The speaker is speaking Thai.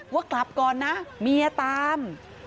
ว่ากลับก่อนนะเมียตาม